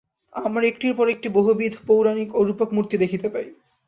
আমরা একটির পর একটি বহুবিধ পৌরাণিক ও রূপক মূর্তি দেখিতে পাই।